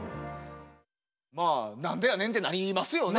まあ何でやねんってなりますよね。